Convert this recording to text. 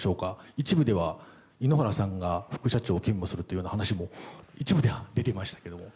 一部では井ノ原快彦さんが副社長を兼務すると一部では出てましたけども。